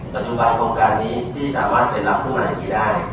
ปัจจุบันโครงการนี้ที่สามารถเป็นรับทุกวันอาทิตย์ได้